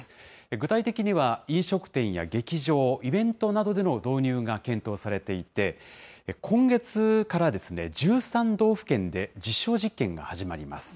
具体的には飲食店や劇場、イベントなどでの導入が検討されていて、今月から１３道府県で実証実験が始まります。